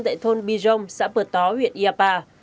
tại thôn bi rong xã bờ tó huyện yapa